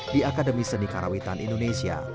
di akademi seni karawitan indonesia